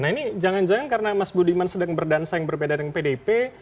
nah ini jangan jangan karena mas budiman sedang berdansa yang berbeda dengan pdip